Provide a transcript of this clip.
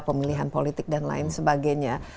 pemilihan politik dan lain sebagainya